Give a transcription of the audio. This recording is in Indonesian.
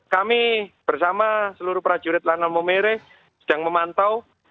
kami bersama seluruh prajurit lanal momere sedang memantau